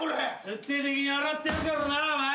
徹底的に洗ってやるからなお前！